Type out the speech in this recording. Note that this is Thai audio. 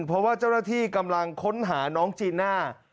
เพราะว่าเจ้าหน้าที่กำลังค้นหาน้องจีน่า